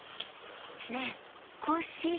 ねえコッシー！